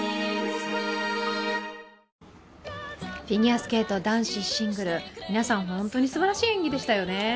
フィギュアスケート男子シングル、皆さん本当にすばらしい演技でしたよね。